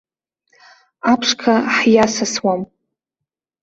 Аԥшқа ҳиасасуам!